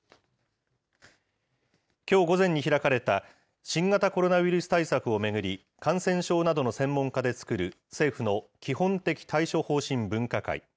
きょう午前に開かれた、新型コロナウイルス対策を巡り、感染症などの専門家で作る政府の基本的対処方針分科会。